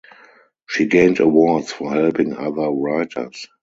She gained awards for helping other writers.